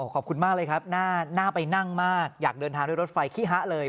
ขอบคุณมากเลยครับน่าไปนั่งมากอยากเดินทางด้วยรถไฟขี้ฮะเลย